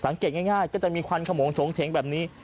สังเกตง่ายก็จะมีควันขมงชงเช้งแบบนี้